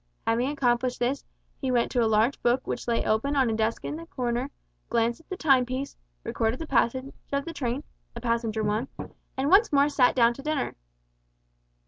Having accomplished this, he went to a large book which lay open on a desk in a corner, glanced at the time piece, recorded the passage of the train a passenger one, and once more sat down to dinner.